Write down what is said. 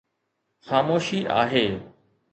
خاموشي آهي.